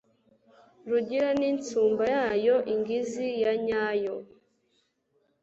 Rugira n'insumba yayo Ingizi yanyayo